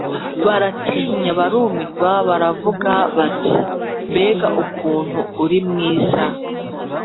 baratinya barumirwa baravugana bati Mbega ukuntu urimwiza